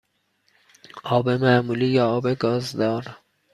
آب معمولی یا آب گازدار؟